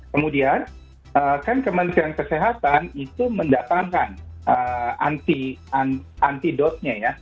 kemudian kan kementerian kesehatan itu mendatangkan anti dotnya ya